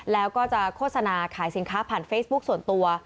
แล้วก็จะโฆษณาขายสินค้าผ่านเฟซบุ๊คส่วนตัว